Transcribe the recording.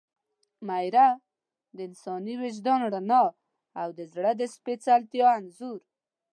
میره – د انساني وجدان رڼا او د زړه د سپېڅلتیا انځور